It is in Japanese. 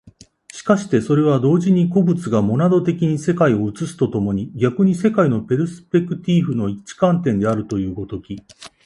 しかしてそれは同時に個物がモナド的に世界を映すと共に逆に世界のペルスペクティーフの一観点であるという如き、